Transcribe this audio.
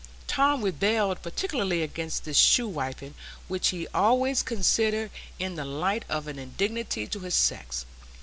Tom rebelled particularly against this shoewiping, which he always considered in the light of an indignity to his sex.